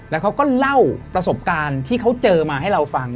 แล้วเขาก็เล่าประสบการณ์ที่เขาเจอมาให้เราฟัง